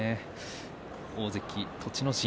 大関栃ノ心